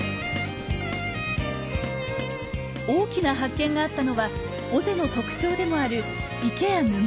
大きな発見があったのは尾瀬の特徴でもある池や沼。